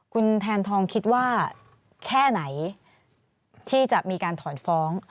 คุณแทนทองคิดว่าแค่ไหนที่จะมีการถอนฟ้อง